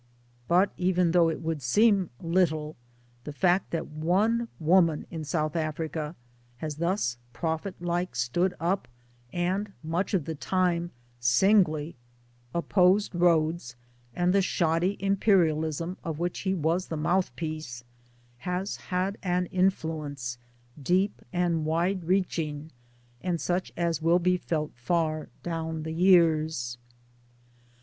But even though it would seem little, the fact that one woman in South Africa has thus prophet like stood up and (much of the time) singly opposed Rhodes and the shoddy Imperialism of which he was the mouthpiece, has had an influence deep and wide reaching and such as will be felt far down the years.